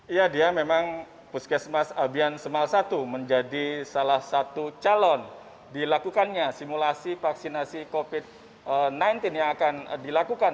iya dia memang puskesmas abian semal satu menjadi salah satu calon dilakukannya simulasi vaksinasi covid sembilan belas yang akan dilakukan